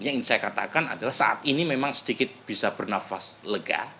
yang ingin saya katakan adalah saat ini memang sedikit bisa bernafas lega